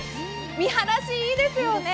見晴らしいいですよね。